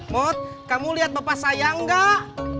mut kamu lihat bapak saya enggak